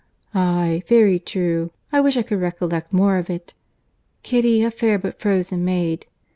"Aye, very true.—I wish I could recollect more of it. Kitty, a fair but frozen maid.